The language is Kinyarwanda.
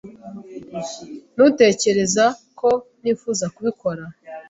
Ntutekereza ko nifuza kubikora?